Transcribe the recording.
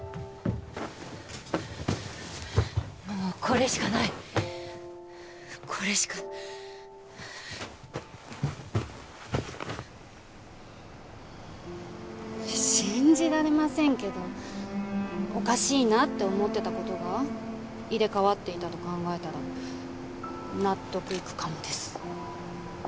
もうこれしかないこれしか信じられませんけどおかしいなって思ってたことが入れ替わっていたと考えたら納得いくかもです